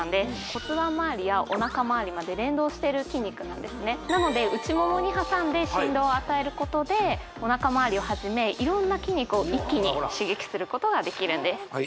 骨盤まわりやおなかまわりまで連動してる筋肉なんですねなので内ももに挟んで振動を与えることでおなかまわりをはじめ色んな筋肉を一気に刺激することができるんです